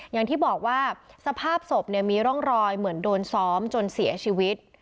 อย่างที่บอกว่าสภาพศพมีร่องรอยเหมือนโดนซ้อมจนเสียชีวิต